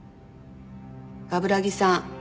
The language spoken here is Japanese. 冠城さん